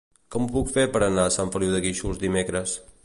Com ho puc fer per anar a Sant Feliu de Guíxols dimecres?